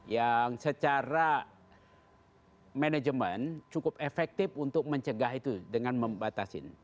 yang secara manajemen cukup efektif untuk mencegah itu dengan membatasi